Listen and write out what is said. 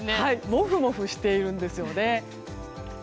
モフモフしているんですよね。